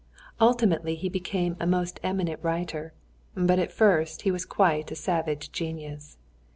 Ultimately he became a most eminent writer, but at first he was quite a savage genius.